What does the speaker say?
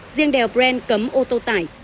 riêng đèo bren cấm ô tô tải